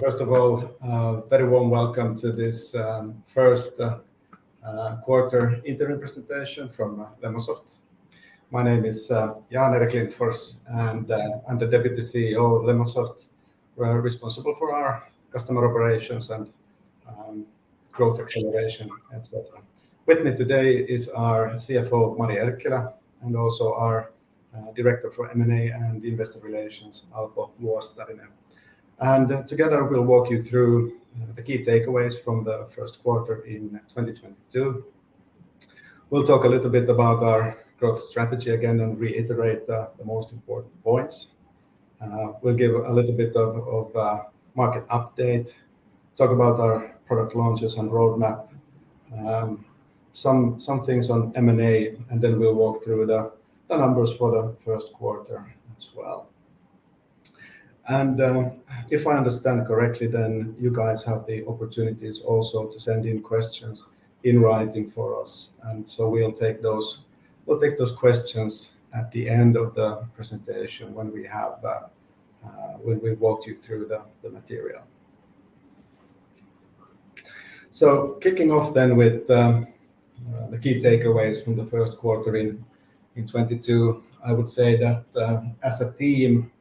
First of all, very warm welcome to this first quarter interim presentation from Lemonsoft. My name is Jan-Erik Lindfors, and I'm the Deputy CEO of Lemonsoft. We're responsible for our customer operations and growth acceleration, et cetera. With me today is our CFO, Mari Erkkilä, and also our Director for M&A and Investor Relations, Alpo Luostarinen. Together we'll walk you through the key takeaways from the first quarter in 2022. We'll talk a little bit about our growth strategy again and reiterate the most important points. We'll give a little bit of market update, talk about our product launches and roadmap, some things on M&A, and then we'll walk through the numbers for the first quarter as well. If I understand correctly, then you guys have the opportunities also to send in questions in writing for us. We'll take those questions at the end of the presentation when we've walked you through the material. Kicking off then with the key takeaways from the first quarter in 2022, I would say that, as a team,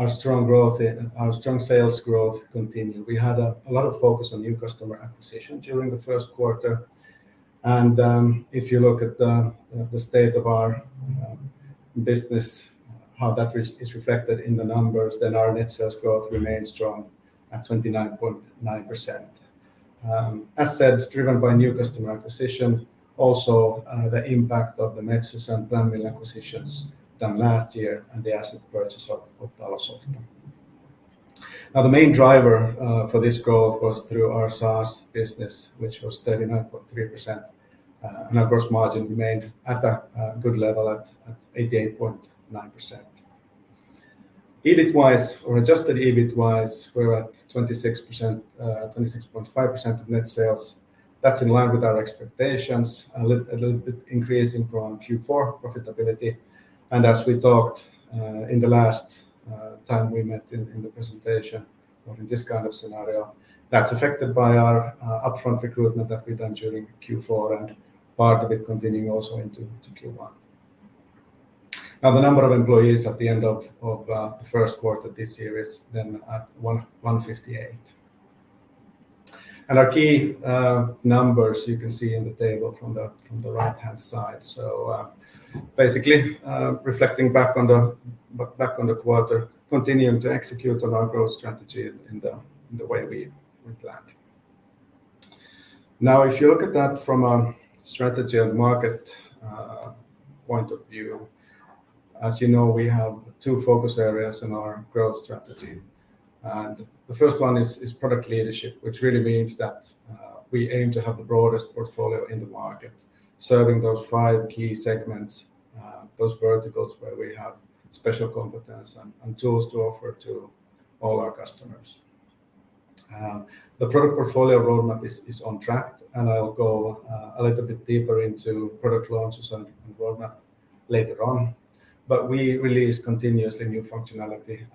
our strong sales growth continued. We had a lot of focus on new customer acquisition during the first quarter. If you look at the state of our business, how that is reflected in the numbers, then our net sales growth remains strong at 29.9%. As said, driven by new customer acquisition, also, the impact of the Metsys and PlanMill acquisitions done last year and the asset purchase of Talosofta. Now the main driver for this growth was through our SaaS business, which was 39.3%, and our gross margin remained at a good level at 88.9%. EBIT-wise or adjusted EBIT-wise, we're at 26.5% of net sales. That's in line with our expectations, a little bit increasing from Q4 profitability. As we talked in the last time we met in the presentation or in this kind of scenario, that's affected by our upfront recruitment that we've done during Q4 and part of it continuing also into Q1. Now the number of employees at the end of the first quarter this year is then at 158. Our key numbers you can see in the table from the right-hand side. Basically, reflecting back on the quarter, continuing to execute on our growth strategy in the way we planned. Now if you look at that from a strategy and market point of view, as you know, we have two focus areas in our growth strategy. The first one is product leadership, which really means that we aim to have the broadest portfolio in the market, serving those five key segments, those verticals where we have special competence and tools to offer to all our customers. The product portfolio roadmap is on track, and I'll go a little bit deeper into product launches and roadmap later on. We release continuously new functionality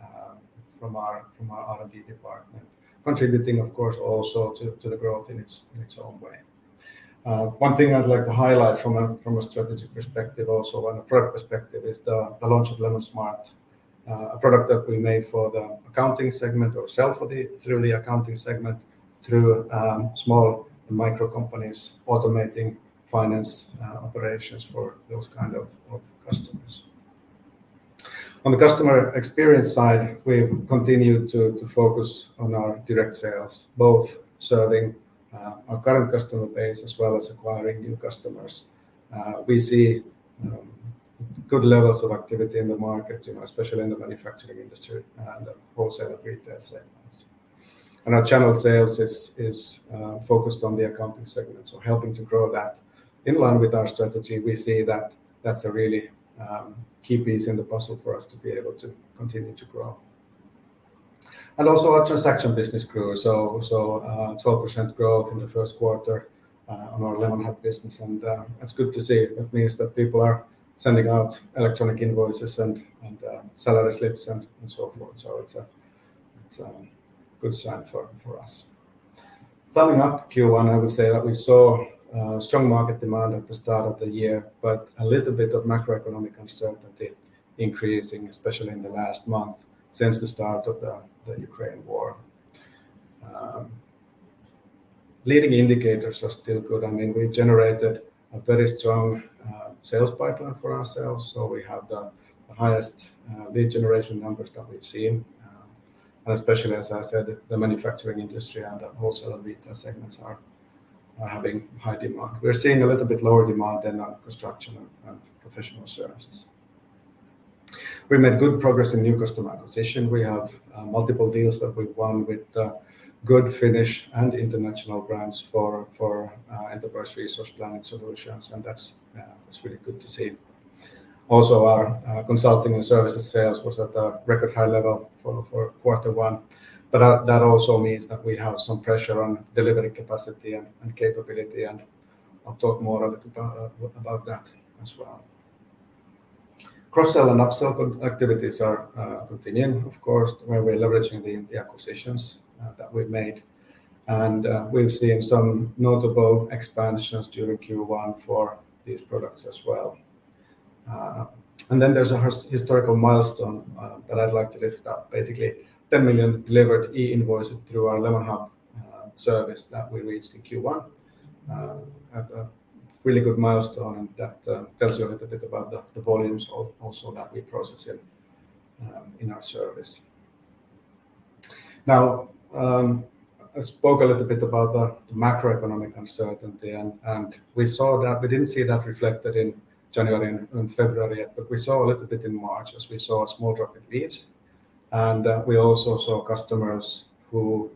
from our R&D department, contributing of course also to the growth in its own way. One thing I'd like to highlight from a strategic perspective also and a product perspective is the launch of LemonSmart, a product that we made for the accounting segment, sell through the accounting segment to small micro companies automating finance operations for those kind of customers. On the customer experience side, we continue to focus on our direct sales, both serving our current customer base as well as acquiring new customers. We see good levels of activity in the market, you know, especially in the manufacturing industry and wholesale and retail segments. Our channel sales is focused on the accounting segment, so helping to grow that. In line with our strategy, we see that that's a really key piece in the puzzle for us to be able to continue to grow. Also our transaction business grew. 12% growth in the first quarter on our Lemon Hub business, and that's good to see. That means that people are sending out electronic invoices and salary slips and so forth. It's a good sign for us. Summing up Q1, I would say that we saw strong market demand at the start of the year, but a little bit of macroeconomic uncertainty increasing, especially in the last month since the start of the Ukraine war. Leading indicators are still good. I mean, we generated a very strong sales pipeline for ourselves, so we have the highest lead generation numbers that we've seen. Especially, as I said, the manufacturing industry and the wholesale and retail segments are having high demand. We're seeing a little bit lower demand than our construction and professional services. We made good progress in new customer acquisition. We have multiple deals that we've won with good Finnish and international brands for enterprise resource planning solutions, and that's really good to see. Our consulting and services sales was at a record high level for quarter one, but that also means that we have some pressure on delivery capacity and capability and I'll talk more a little bit about that as well. Cross-sell and upsell activities are continuing, of course, where we're leveraging the acquisitions that we've made. We've seen some notable expansions during Q1 for these products as well. There's a historical milestone that I'd like to lift up. Basically 10 million delivered e-invoices through our Lemon Hub service that we reached in Q1, a really good milestone and that tells you a little bit about the volumes also that we're processing in our service. Now, I spoke a little bit about the macroeconomic uncertainty, and we saw that. We didn't see that reflected in January and February, but we saw a little bit in March as we saw a small drop in leads. We also saw customers who,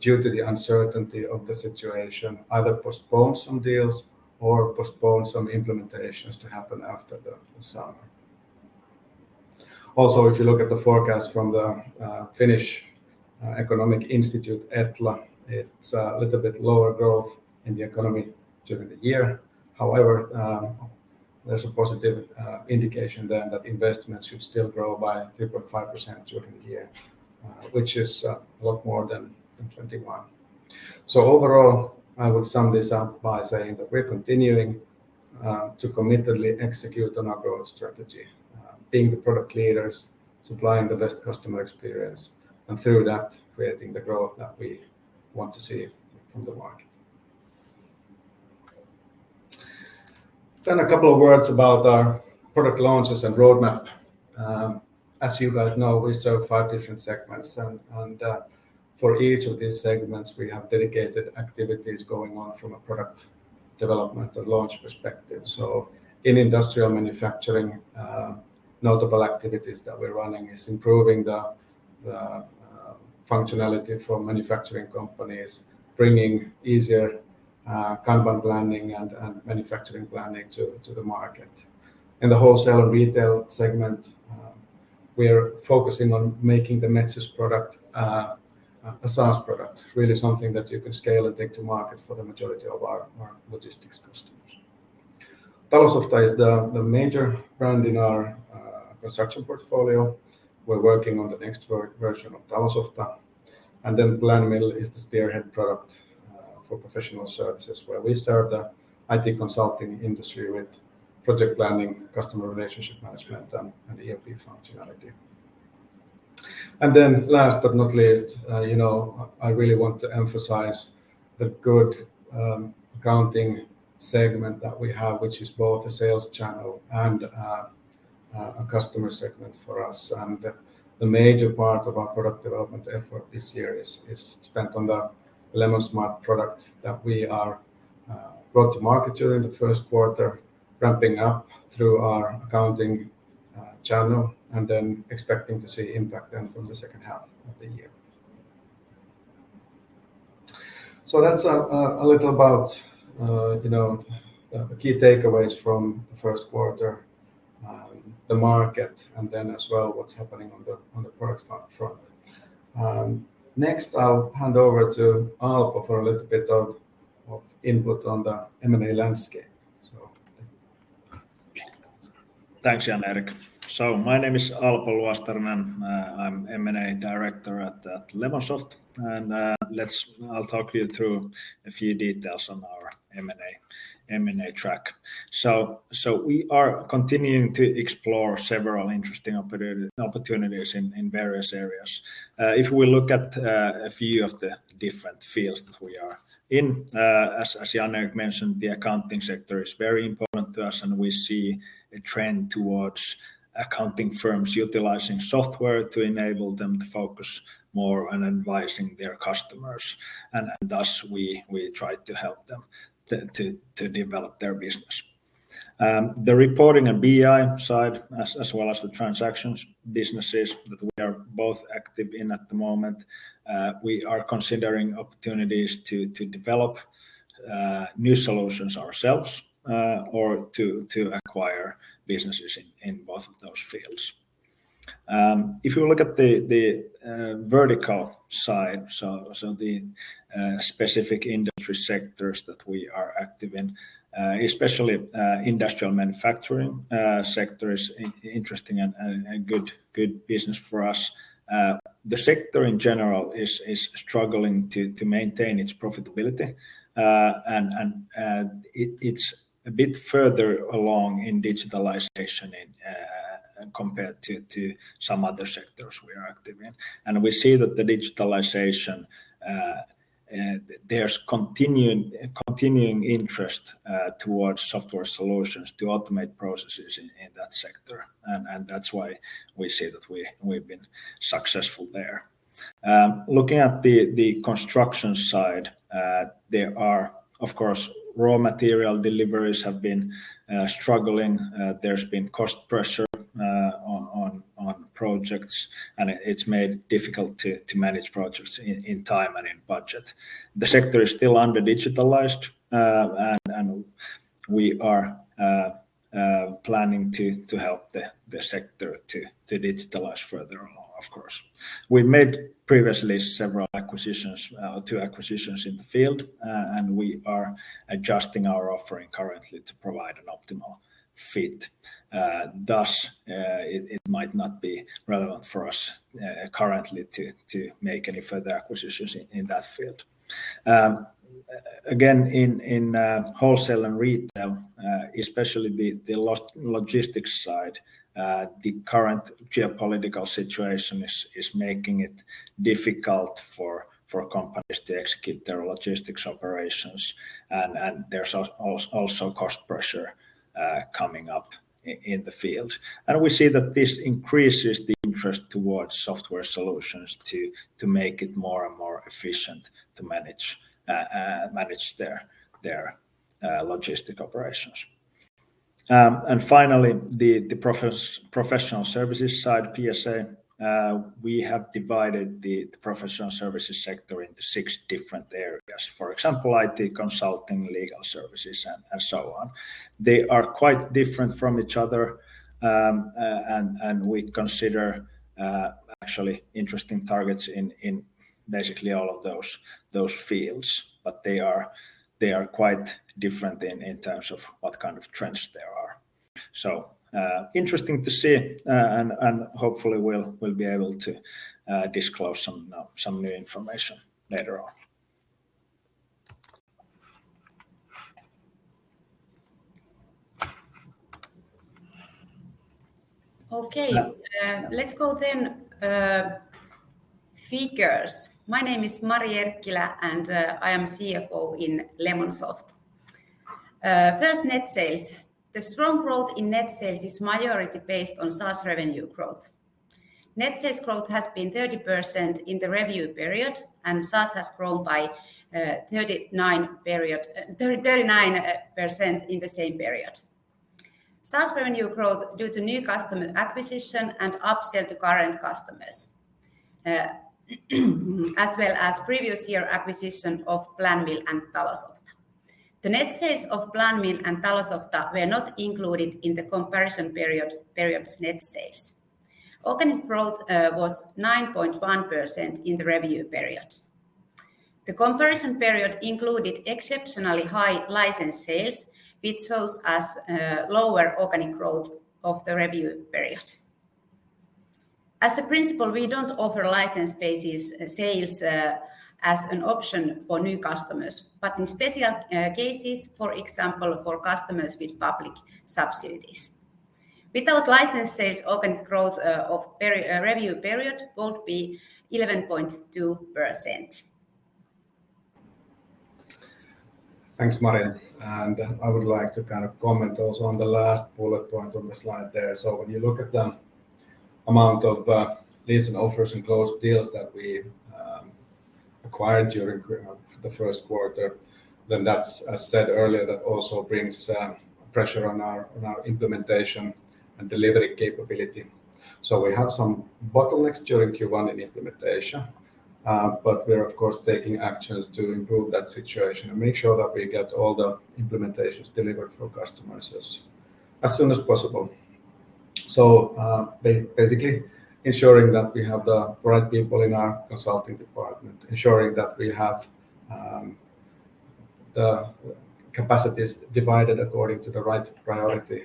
due to the uncertainty of the situation, either postpone some deals or postpone some implementations to happen after the summer. If you look at the forecast from the Finnish economic institute, ETLA, it's a little bit lower growth in the economy during the year. However, there's a positive indication then that investments should still grow by 3.5% during the year, which is a lot more than 2021. Overall, I would sum this up by saying that we're continuing to committedly execute on our growth strategy, being the product leaders, supplying the best customer experience, and through that, creating the growth that we want to see from the market. A couple of words about our product launches and roadmap. As you guys know, we serve five different segments and for each of these segments, we have dedicated activities going on from a product development and launch perspective. In industrial manufacturing, notable activities that we're running is improving the functionality for manufacturing companies, bringing easier Kanban planning and manufacturing planning to the market. In the wholesale and retail segment, we are focusing on making the Metsys product a SaaS product, really something that you can scale and take to market for the majority of our logistics customers. Talosofta is the major brand in our construction portfolio. We're working on the next version of Talosofta. PlanMill is the spearhead product for professional services where we serve the IT consulting industry with project planning, customer relationship management, and ERP functionality. Last but not least, you know, I really want to emphasize the good accounting segment that we have, which is both a sales channel and a customer segment for us. The major part of our product development effort this year is spent on the LemonSmart product that we brought to market during the first quarter, ramping up through our accounting channel and then expecting to see impact then from the second half of the year. That's a little about you know the key takeaways from the first quarter, the market and then as well what's happening on the product front. Next, I'll hand over to Alpo for a little bit of input on the M&A landscape. Thank you. Thanks, Jan-Erik. My name is Alpo Luostarinen. I'm M&A Director at Lemonsoft. I'll talk you through a few details on our M&A track. We are continuing to explore several interesting opportunities in various areas. If we look at a few of the different fields that we are in, as Jan-Erik mentioned, the accounting sector is very important to us, and we see a trend towards accounting firms utilizing software to enable them to focus more on advising their customers. Thus we try to help them to develop their business. The reporting and BI side, as well as the transactions businesses that we are both active in at the moment, we are considering opportunities to develop new solutions ourselves, or to acquire businesses in both of those fields. If you look at the vertical side, so the specific industry sectors that we are active in, especially industrial manufacturing sector is interesting and good business for us. The sector in general is struggling to maintain its profitability. And it is a bit further along in digitalization compared to some other sectors we are active in. We see that the digitalization, there is continuing interest towards software solutions to automate processes in that sector. That's why we say that we've been successful there. Looking at the construction side, there are, of course, raw material deliveries have been struggling. There's been cost pressure on projects, and it's made difficult to manage projects in time and in budget. The sector is still under-digitalized. We are planning to help the sector to digitalize further along, of course. We made previously several acquisitions, two acquisitions in the field, and we are adjusting our offering currently to provide an optimal fit. Thus, it might not be relevant for us currently to make any further acquisitions in that field. Again, in wholesale and retail, especially the logistics side, the current geopolitical situation is making it difficult for companies to execute their logistics operations. There's also cost pressure coming up in the field. We see that this increases the interest towards software solutions to make it more and more efficient to manage their logistic operations. Finally, the professional services side, PSA, we have divided the professional services sector into six different areas. For example, IT consulting, legal services and so on. They are quite different from each other, and we consider actually interesting targets in basically all of those fields. They are quite different in terms of what kind of trends there are. Interesting to see, and hopefully we'll be able to disclose some new information later on. Okay. Yeah. Let's go then, figures. My name is Mari Erkkilä, and I am CFO in Lemonsoft. First, net sales. The strong growth in net sales is majority based on SaaS revenue growth. Net sales growth has been 30% in the review period, and SaaS has grown by 39% in the same period. SaaS revenue growth due to new customer acquisition and upsell to current customers, as well as previous year acquisition of PlanMill and Talosofta. The net sales of PlanMill and Talosofta were not included in the comparison period's net sales. Organic growth was 9.1% in the review period. The comparison period included exceptionally high license sales, which shows us lower organic growth of the review period. In principle, we don't offer license basis sales as an option for new customers. In special cases, for example, for customers with public subsidies. Without license sales, organic growth of the review period would be 11.2%. Thanks, Mari. I would like to kind of comment also on the last bullet point on the slide there. When you look at the amount of leads and offers and closed deals that we acquired during the first quarter, then that's, as said earlier, that also brings pressure on our implementation and delivery capability. We have some bottlenecks during Q1 in implementation, but we're of course taking actions to improve that situation and make sure that we get all the implementations delivered for customers as soon as possible. Basically ensuring that we have the right people in our consulting department, ensuring that we have the capacities divided according to the right priority,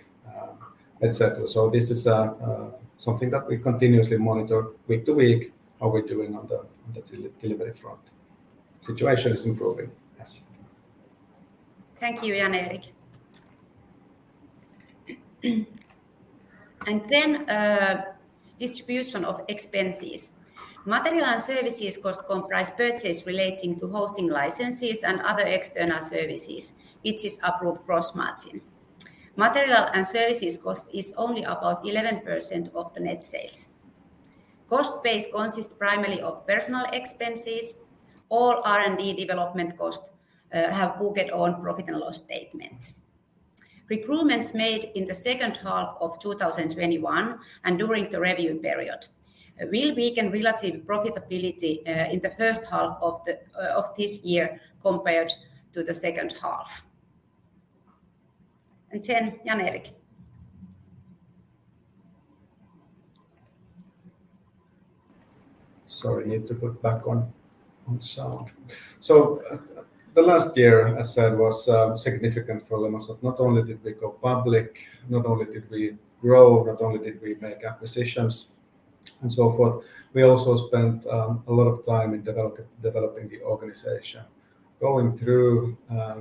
et cetera. This is something that we continuously monitor week to week, how we're doing on the delivery front. Situation is improving, yes. Thank you, Jan-Erik. Distribution of expenses. Material and services cost comprise purchase relating to hosting licenses and other external services, which is approved gross margin. Material and services cost is only about 11% of the net sales. Cost base consists primarily of personal expenses. All R&D development costs have booked on profit and loss statement. Recruitments made in the second half of 2021 and during the review period will weaken relative profitability in the first half of this year compared to the second half. Jan-Erik. Sorry, need to put back on sound. The last year, as said, was significant for Lemonsoft. Not only did we go public, not only did we grow, not only did we make acquisitions and so forth, we also spent a lot of time in developing the organization, going through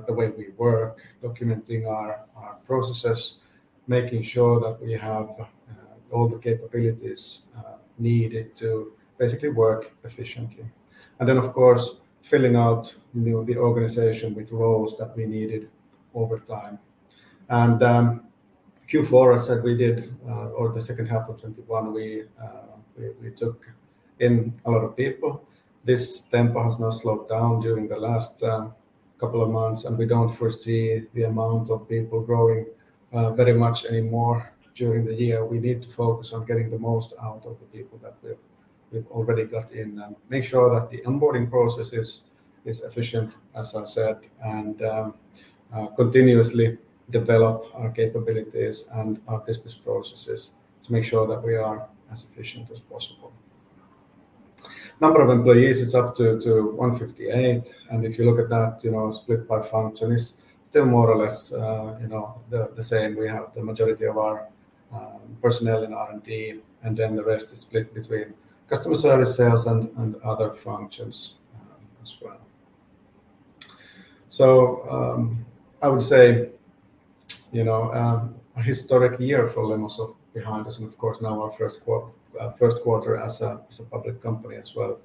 the way we work, documenting our processes, making sure that we have all the capabilities needed to basically work efficiently. Then of course, filling out the organization with roles that we needed over time. Q4, as said, or the second half of 2021, we took in a lot of people. This tempo has now slowed down during the last couple of months, and we don't foresee the amount of people growing very much anymore during the year. We need to focus on getting the most out of the people that we have. We've already got in to make sure that the onboarding process is efficient, as I said, and continuously develop our capabilities and our business processes to make sure that we are as efficient as possible. Number of employees is up to 158, and if you look at that, you know, split by function, it's still more or less, you know, the same. We have the majority of our personnel in R&D, and then the rest is split between customer service, sales, and other functions as well. I would say, you know, a historic year for Lemonsoft behind us and of course now our first quarter as a public company as well,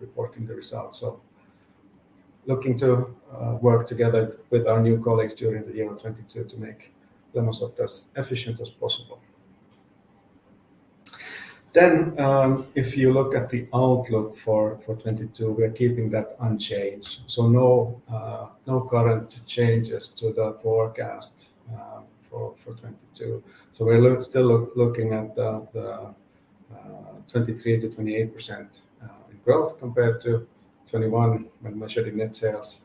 reporting the results. looking to work together with our new colleagues during the year of 2022 to make Lemonsoft as efficient as possible. If you look at the outlook for 2022, we're keeping that unchanged. No current changes to the forecast for 2022. We're still looking at the 23%-28% in growth compared to 2021 when measuring net sales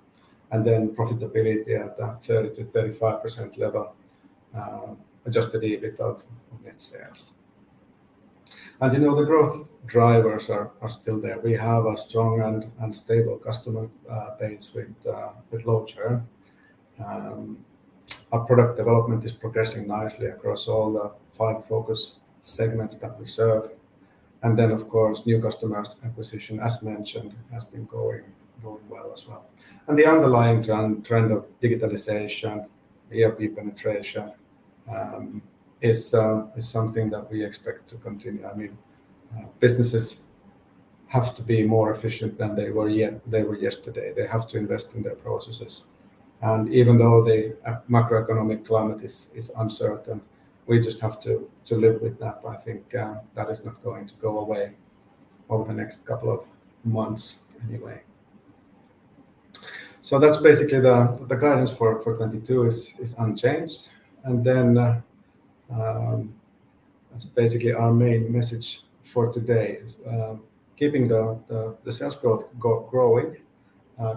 and then profitability at the 30%-35% level, adjusted EBIT of net sales. You know, the growth drivers are still there. We have a strong and stable customer base with low churn. Our product development is progressing nicely across all five focus segments that we serve. Of course, new customer acquisition, as mentioned, has been going well as well. The underlying trend of digitalization, ERP penetration, is something that we expect to continue. I mean, businesses have to be more efficient than they were yesterday. They have to invest in their processes. Even though the macroeconomic climate is uncertain, we just have to live with that. I think that is not going to go away over the next couple of months anyway. That's basically the guidance for 2022 is unchanged. That's basically our main message for today is keeping the sales growth growing,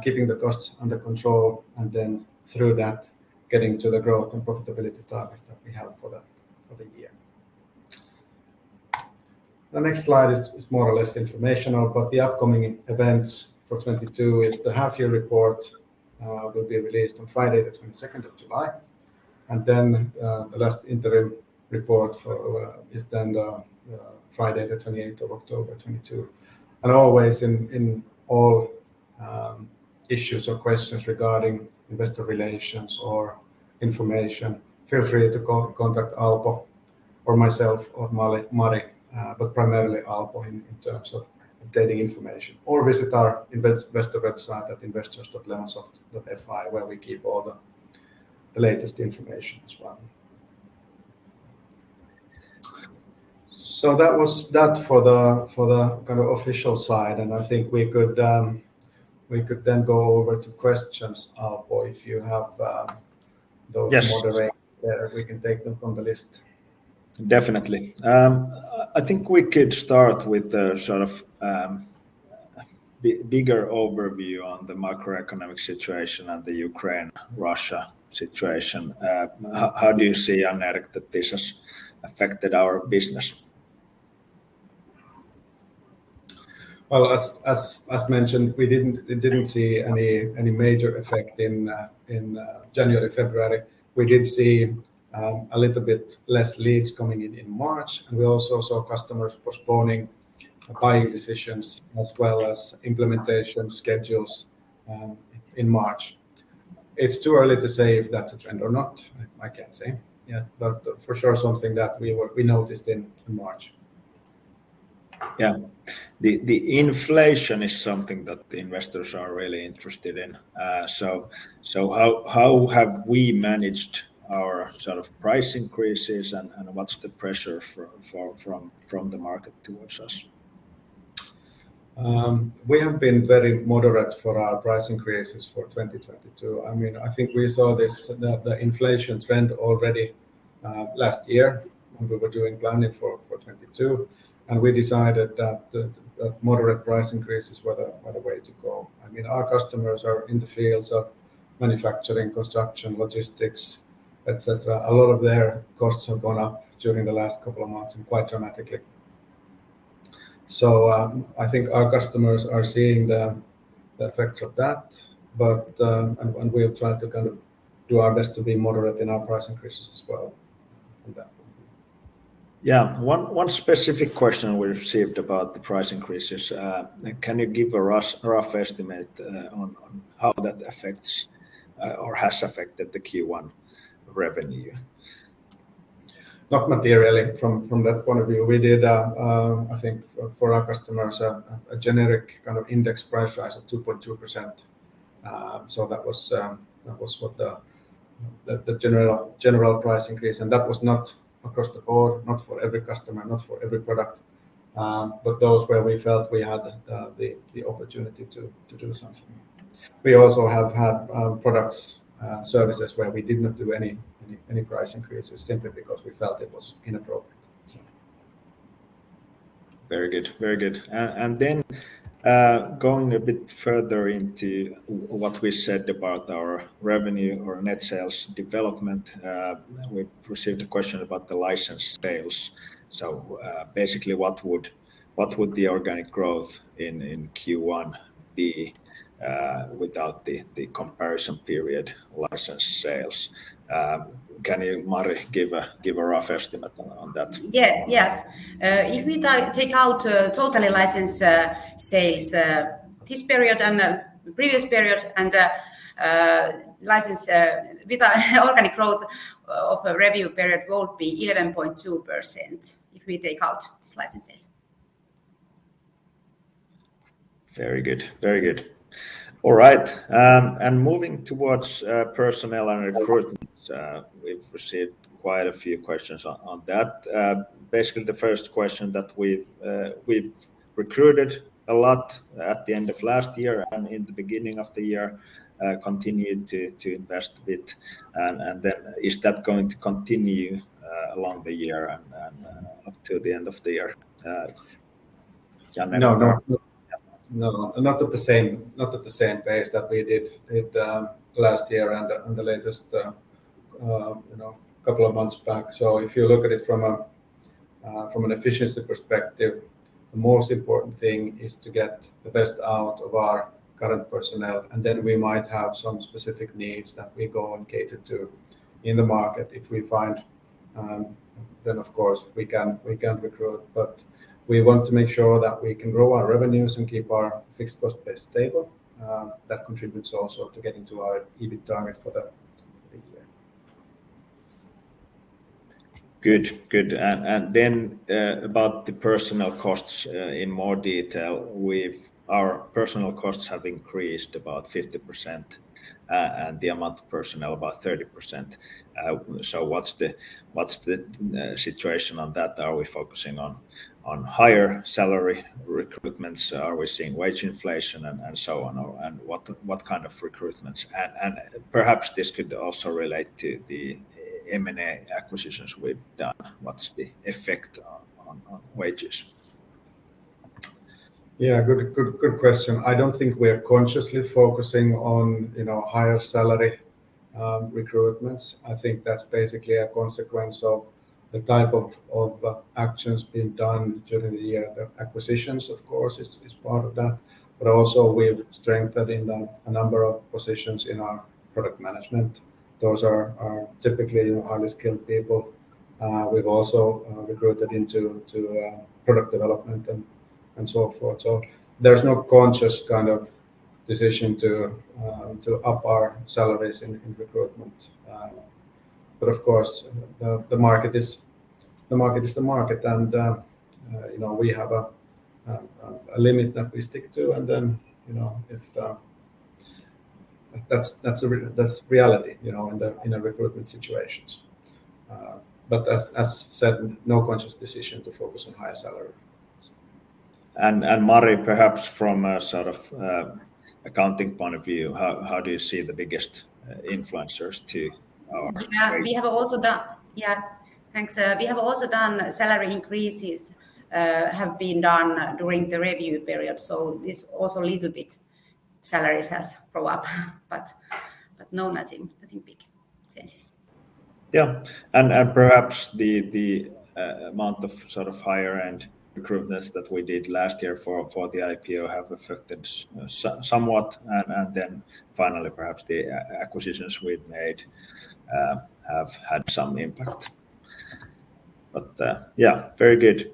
keeping the costs under control, and then through that, getting to the growth and profitability target that we have for the year. The next slide is more or less informational, but the upcoming events for 2022 is the half year report will be released on Friday the twenty-second of July, and then the last interim report for 2022 is then the Friday the twenty-eighth of October 2022. Always in all issues or questions regarding investor relations or information, feel free to contact Alpo or myself or Mari, but primarily Alpo in terms of getting information or visit our investor website at investors.lemonsoft.fi where we keep all the latest information as well. That was that for the kind of official side, and I think we could then go over to questions, Alpo, if you have those. Yes Moderated, yeah, we can take them from the list. Definitely. I think we could start with the sort of bigger overview on the macroeconomic situation and the Ukraine-Russia situation. How do you see, Jan-Erik, that this has affected our business? Well, as mentioned, we didn't see any major effect in January, February. We did see a little bit less leads coming in in March, and we also saw customers postponing buying decisions as well as implementation schedules in March. It's too early to say if that's a trend or not. I can't say yet, but for sure something that we noticed in March. Yeah. The inflation is something that the investors are really interested in. How have we managed our sort of price increases and what's the pressure from the market towards us? We have been very moderate for our price increases for 2022. I mean, I think we saw this, the inflation trend already last year when we were doing planning for 2022, and we decided that the moderate price increases were the way to go. I mean, our customers are in the fields of manufacturing, construction, logistics, et cetera. A lot of their costs have gone up during the last couple of months and quite dramatically. I think our customers are seeing the effects of that, but we are trying to kind of do our best to be moderate in our price increases as well from that point of view. Yeah. One specific question we received about the price increases, can you give a rough estimate on how that affects or has affected the Q1 revenue Not materially from that point of view. We did I think for our customers a generic kind of index price rise of 2.2%. That was what the general price increase, and that was not across the board, not for every customer, not for every product, but those where we felt we had the opportunity to do something. We also have had products, services where we did not do any price increases simply because we felt it was inappropriate. Very good. Very good. Going a bit further into what we said about our revenue or net sales development, we received a question about the license sales. Basically, what would the organic growth in Q1 be without the comparison period license sales? Can you, Mari, give a rough estimate on that? If we take out total license sales this period and the previous period, organic growth of a review period would be 11.2% if we take out these licenses. Very good. Very good. All right. Moving towards personnel and recruitment, we've received quite a few questions on that. Basically, the first question is that we've recruited a lot at the end of last year and in the beginning of the year, continued to invest a bit and then is that going to continue along the year and up to the end of the year? Jan-Erik? No, no. Yeah. No. Not at the same pace that we did it last year and the latest couple of months back. If you look at it from an efficiency perspective, the most important thing is to get the best out of our current personnel, and then we might have some specific needs that we go and cater to in the market. If we find then of course we can recruit, but we want to make sure that we can grow our revenues and keep our fixed cost base stable. That contributes also to getting to our EBIT target for this year. Good. About the personnel costs in more detail, our personnel costs have increased about 50%, and the amount of personnel about 30%. What's the situation on that? Are we focusing on higher salary recruitments? Are we seeing wage inflation and so on? What kind of recruitments? Perhaps this could also relate to the M&A acquisitions we've done. What's the effect on wages? Yeah. Good question. I don't think we're consciously focusing on, you know, higher salary recruitments. I think that's basically a consequence of the type of actions being done during the year. The acquisitions of course is part of that. Also we've strengthened in a number of positions in our product management. Those are typically, you know, highly skilled people. We've also recruited into product development and so forth. There's no conscious kind of decision to up our salaries in recruitment. But of course, the market is the market and, you know, we have a limit that we stick to and then, you know, if like that's reality, you know, in the recruitment situations. As said, no conscious decision to focus on higher salary. Mari, perhaps from a sort of accounting point of view, how do you see the biggest influencers to our rates? We have also done salary increases during the review period, so salaries have gone up a little bit, but no, nothing big changes. Perhaps the amount of sort of higher end recruitments that we did last year for the IPO have affected somewhat and then finally perhaps the acquisitions we've made have had some impact. Very good.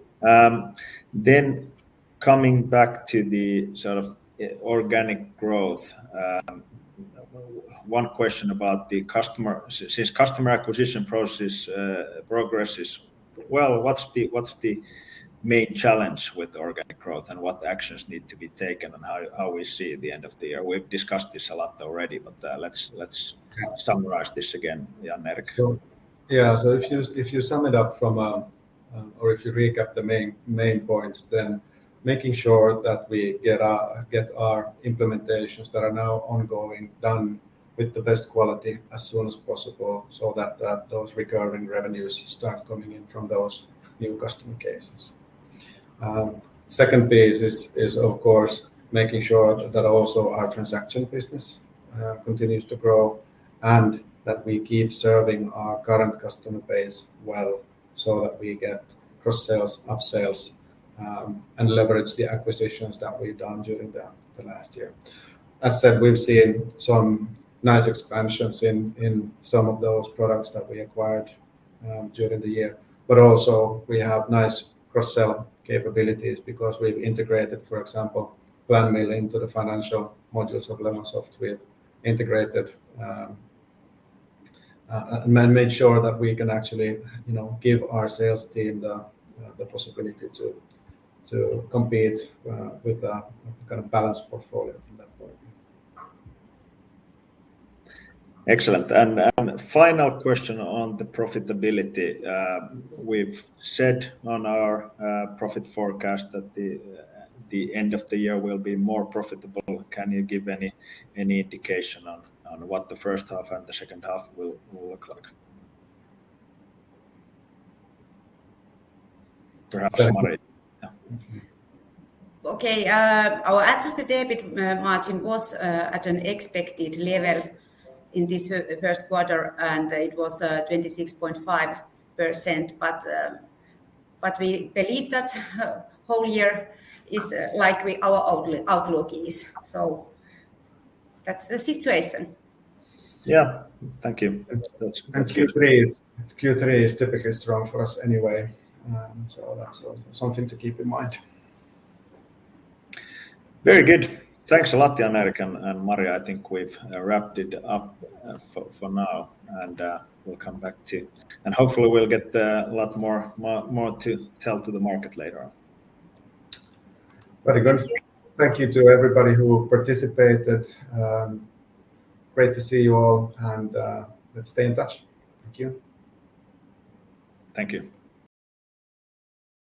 Coming back to the sort of organic growth, one question about the customer. Since customer acquisition process progresses well, what's the main challenge with organic growth and what actions need to be taken and how we see the end of the year? We've discussed this a lot already, but let's summarize this again, Jan-Erik Lindfors. If you recap the main points, then making sure that we get our implementations that are now ongoing done with the best quality as soon as possible so that those recurring revenues start coming in from those new customer cases. Second basis is of course making sure that also our transaction business continues to grow and that we keep serving our current customer base well so that we get cross sales, up-sales, and leverage the acquisitions that we've done during the last year. As said, we've seen some nice expansions in some of those products that we acquired during the year, but also we have nice cross-sell capabilities because we've integrated, for example, PlanMill into the financial modules of Lemonsoft, and made sure that we can actually, you know, give our sales team the possibility to compete with a kind of balanced portfolio from that point of view. Excellent. Final question on the profitability. We've said on our profit forecast that the end of the year will be more profitable. Can you give any indication on what the first half and the second half will look like? Perhaps Mari. Okay. Our adjusted EBIT margin was at an expected level in this first quarter, and it was 26.5%. We believe that for the whole year, like, our outlook is. That's the situation. Yeah. Thank you. Q3 is typically strong for us anyway, so that's something to keep in mind. Very good. Thanks a lot, Jan-Erik and Mari. I think we've wrapped it up for now, and we'll come back to you. Hopefully we'll get a lot more to tell to the market later on. Very good. Thank you. Thank you to everybody who participated. Great to see you all, and let's stay in touch. Thank you. Thank you.